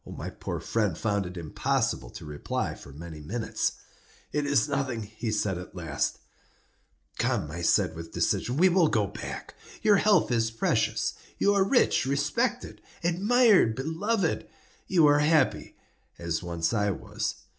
My poor friend found it impossible to reply for many minutes. "It is nothing," he said, at last. "Come," I said, with decision, "we will go back; your health is precious. You are rich, respected, admired, beloved; you are happy, as once I was.